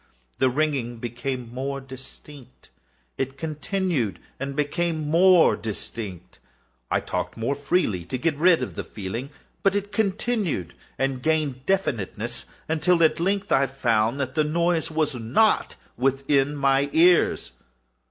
The ringing became more distinct:—it continued and became more distinct: I talked more freely to get rid of the feeling: but it continued and gained definiteness—until, at length, I found that the noise was not within my ears.